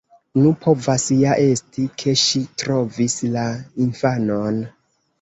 Nu, povas ja esti, ke ŝi trovis la infanon.